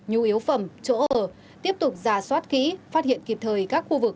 nhu yếu phẩm chỗ ở tiếp tục giả soát kỹ phát hiện kịp thời các khu vực